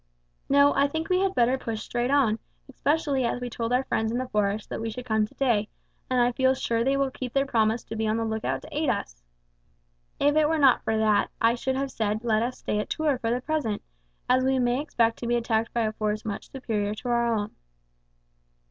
"No, I think we had better push straight on, especially as we told our friends in the forest that we should come today, and I feel sure they will keep their promise to be on the lookout to aid us. If it were not for that I should have said let us stay at Tours for the present, for we may expect to be attacked by a force much superior to our own."